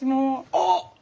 あっ！